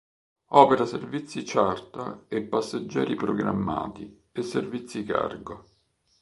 Opera servizi charter e passeggeri programmati, e servizi cargo.